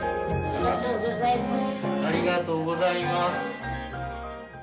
ありがとうございます。